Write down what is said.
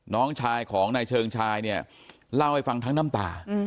น้องชายของนายเชิงชายเนี่ยเล่าให้ฟังทั้งน้ำตา